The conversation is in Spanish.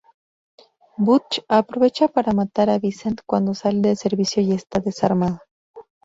Butch aprovecha para matar a Vincent cuando sale del servicio y está desarmado.